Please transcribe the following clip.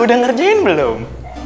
sudah ngerjain belum